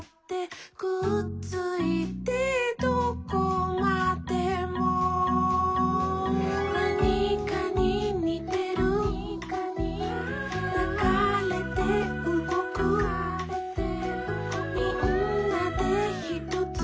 「くっついてどこまでも」「なにかににてる」「ながれてうごく」「みんなでひとつ」